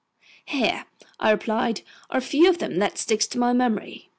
"Here," I replied, "are a few of them that stick in my memory.